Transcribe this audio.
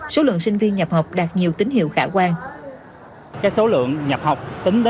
số lượng sinh viên nhập học đạt nhiều tín hiệu khả quan